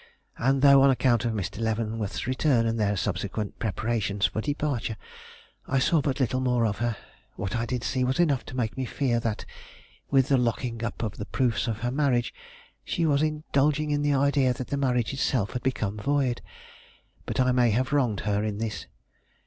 And though, on account of Mr. Leavenworth's return and their subsequent preparations for departure, I saw but little more of her, what I did see was enough to make me fear that, with the locking up of the proofs of her marriage, she was indulging the idea that the marriage itself had become void. But I may have wronged her in this.